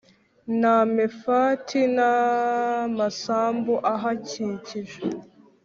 Na mefati n amasambu ahakikije